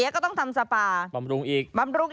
ก็ต้องทำสปาร์บำรุกอีก